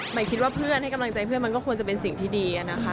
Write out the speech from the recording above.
คิดว่าเพื่อนให้กำลังใจเพื่อนมันก็ควรจะเป็นสิ่งที่ดีนะคะ